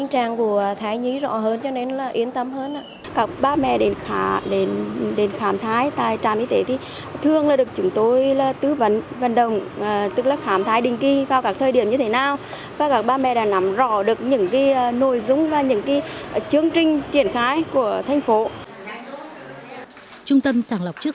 trung tâm sàng lọc chức sinh của bệnh viện sản nhi nghệ an